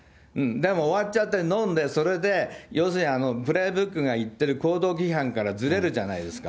でも終わっちゃって飲んで、それで、要するにプレイブックが言ってる行動規範からずれるじゃないですか。